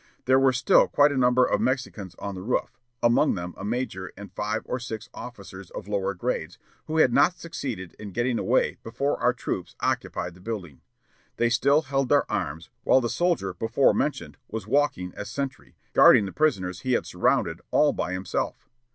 There were still quite a number of Mexicans on the roof, among them a major and five or six officers of lower grades, who had not succeeded in getting away before our troops occupied the building. They still had their arms, while the soldier before mentioned was walking as sentry, guarding the prisoners he had surrounded, all by himself.